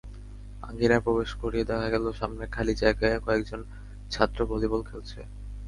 আঙিনায় প্রবেশ করেই দেখা গেল সামনের খালি জায়গায় কয়েকজন ছাত্র ভলিবল খেলছে।